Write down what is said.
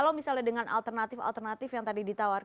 kalau misalnya dengan alternatif alternatif yang tadi ditawarkan